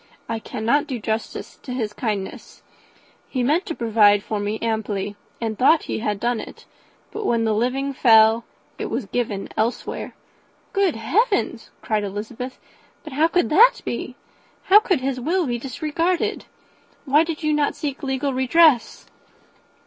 I cannot do justice to his kindness. He meant to provide for me amply, and thought he had done it; but when the living fell, it was given elsewhere." "Good heavens!" cried Elizabeth; "but how could that be? How could his will be disregarded? Why did not you seek legal redress?"